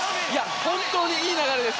本当にいい流れです。